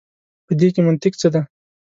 په دې کي منطق څه دی.